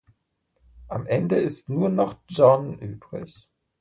Am Ende ist nur noch John übrig.